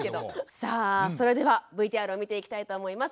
さあそれではＶＴＲを見ていきたいと思います。